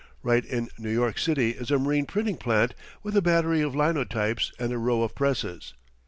Right in New York City is a marine printing plant with a battery of linotypes and a row of presses.